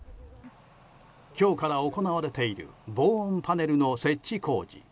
今日から行われている防音パネルの設置工事。